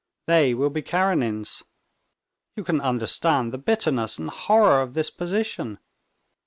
They will be Karenins. You can understand the bitterness and horror of this position!